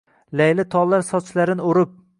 Layli tollar sochlarin o‘rib.